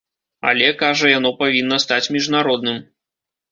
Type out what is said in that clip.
Але, кажа, яно павінна стаць міжнародным.